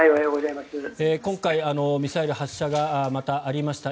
今回ミサイル発射がまたありました。